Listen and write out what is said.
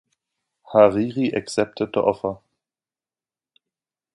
Hariri accepted the offer.